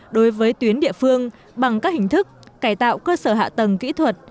đối với tuyến địa phương bằng các hình thức cải tạo cơ sở hạ tầng kỹ thuật